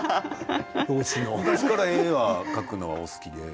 昔から絵を描くのはお好きで？